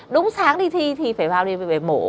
đúng sáng đi thi thì phải vào đi về mổ